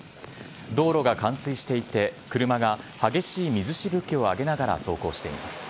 道路が冠水していて、車が激しい水しぶきを上げながら走行しています。